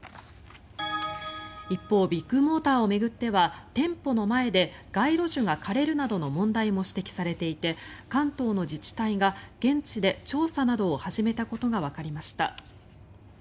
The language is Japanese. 一方、ビッグモーターを巡っては店舗の前で街路樹が枯れるなどの問題も指摘されていて関東の自治体が現地で調査などを始めたことがわかりました。